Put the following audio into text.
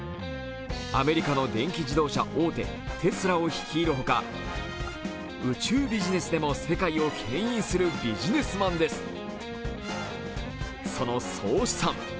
アメリカの電気自動車大手テスラを率いる他、宇宙ビジネスでも世界をけん引するビジネスマンです。